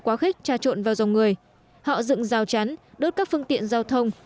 quá khích tra trộn vào dòng người họ dựng rào chắn đốt các phương tiện giao thông